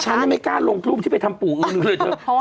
ฉันยังไม่กล้าลงรูปที่ไปทำปู่อื่นเลยเถอะ